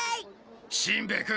しんべヱ君。